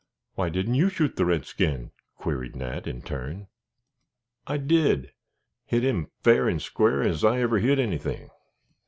"Why didn't you shoot the redskin?" queried Nat, in turn. "I did hit him fair and square as I ever hit anything."